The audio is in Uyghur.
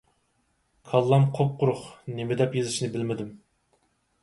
كاللام قۇپقۇرۇق! نېمىدەپ يېزىشنى بىلمىدىم.